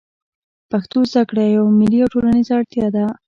پښتو زده کړه یوه ملي او ټولنیزه اړتیا ده